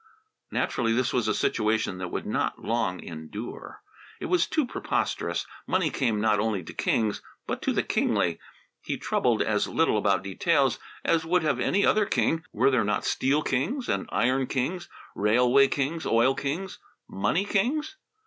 Naturally, this was a situation that would not long endure. It was too preposterous. Money came not only to kings but to the kingly. He troubled as little about details as would have any other king. Were there not steel kings, and iron kings, railway kings, oil kings money kings?